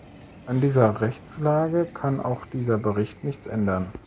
An dieser Rechtslage kann auch dieser Bericht nichts ändern.